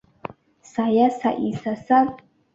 属北巴西郡。